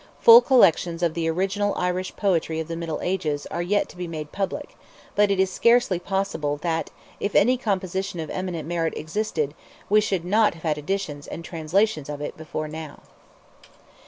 Full collections of the original Irish poetry of the Middle Ages are yet to be made public, but it is scarcely possible that if any composition of eminent merit existed, we should not have had editions and translations of it before now.